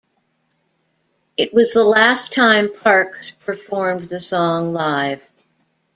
It was the last time Parks performed the song live.